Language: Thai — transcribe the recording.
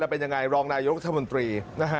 เป็นอย่างไรรองนายรุทธมตรี